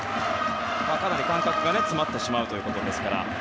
かなり間隔が詰まってしまうということで。